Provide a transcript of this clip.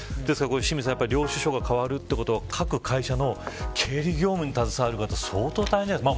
領収書が変わるということは各会社の経理業務に携わる方は相当、大変じゃないですか